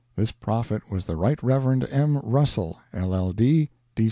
This prophet was the Right Rev. M. Russell, LL.D.